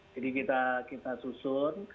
jadi kita susun